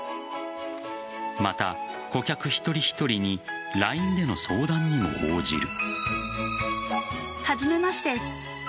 また、顧客一人一人にＬＩＮＥでの相談にも応じる。